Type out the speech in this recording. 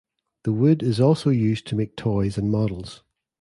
The wood is also used to make toys and models.